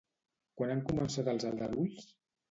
Quan han començat els aldarulls?